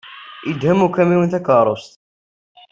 Yedhem ukamyun takeṛṛust.